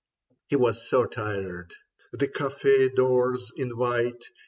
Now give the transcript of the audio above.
He was so tired. The cafe doors invite.